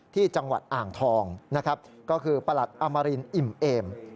ที่จังหวัดอ่างทองนะครับก็คือประหลัดอมรินอิ่มเอม